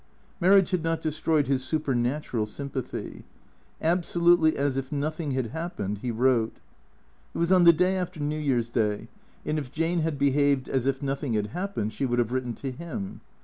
Marriage had not destroyed his super natural sympathy. Absolutely as if nothing had happened, he wrote. It was on the day after New Year's day, and if Jane THE C R E A TORS 119 had behaved as if nothing had happened she would have written to him.